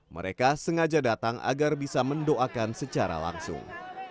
mereka sengaja datang agar bisa mendoakan secara langsung